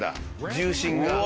重心が。